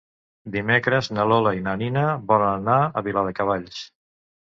Dimecres na Lola i na Nina volen anar a Viladecavalls.